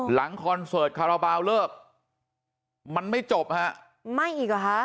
คอนเสิร์ตคาราบาลเลิกมันไม่จบฮะไม่อีกเหรอฮะ